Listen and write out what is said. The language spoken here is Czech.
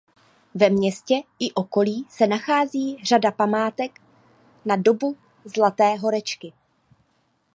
Ve městě i okolí se nachází řada památek na dobu zlaté horečky.